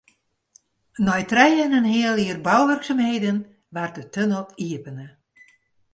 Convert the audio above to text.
Nei trije en in heal jier bouwurksumheden waard de tunnel iepene.